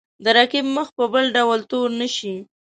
د رقیب مخ په بل ډول تور نه شي.